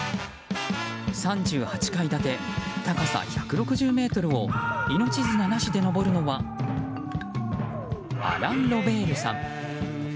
３８階建て、高さ１６０ｍを命綱なしで登るのはアラン・ロベールさん。